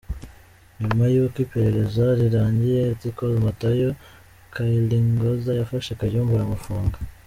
Nyuma y’uko iperereza rirangiye Lt Col Matayo Kyaligonza yafashe Kayumba aramufunga.